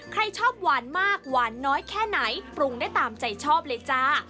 ใครชอบหวานมากหวานน้อยแค่ไหนปรุงได้ตามใจชอบเลยจ้า